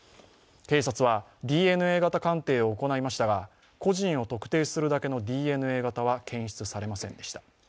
警察はＤＮＡ型鑑定を行いましたが個人を特定するだけのＤＮＡ型は検出されませんでした。